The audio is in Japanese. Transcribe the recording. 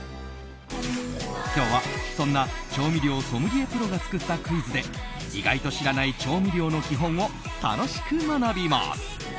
今日はそんな調味料ソムリエプロが作ったクイズで意外と知らない調味料の基本を楽しく学びます。